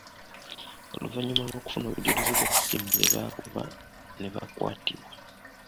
Oluvannyuma lw’okufuna obujulizi bw’essimu ze baakuba ne bakwatibwa.